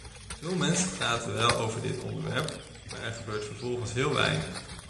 Veel mensen praten wel over dit onderwerp, maar er gebeurt vervolgens heel weinig.